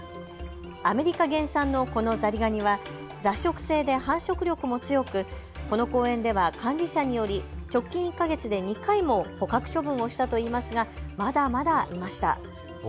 アメリカ原産のこのザリガニは雑食性で繁殖力も強くこの公園では管理者により直近１か月で２回も捕獲処分をしたといいますがまだまだいました。